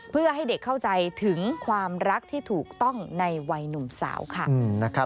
เพื่อให้เด็กเข้าใจถึงความรักที่ถูกต้องในวัยหนุ่มสาวค่ะ